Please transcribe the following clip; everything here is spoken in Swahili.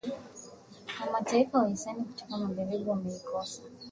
na mataifa wahisani kutoka magharibi wameikosoa